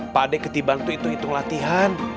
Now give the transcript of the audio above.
pak de ketiban itu hitung hitung latihan